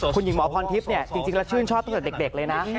คุณหญิงหมอพรทิพย์จริงแล้วชื่นชอบตั้งแต่เด็กเลยนะ